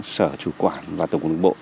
sở chủ quản và tổng cục đường bộ